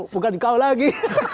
bukan kau lagi